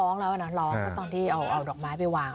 ร้องแล้วนะร้องก็ตอนที่เอาดอกไม้ไปวาง